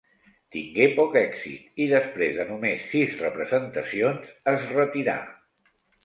Tingué poc èxit i després de només sis representacions es retirà.